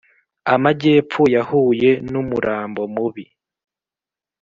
Amagepfo yahuye numurambo mubi